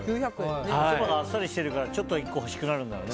そばがあっさりしてるから１個欲しくなるんだろうね。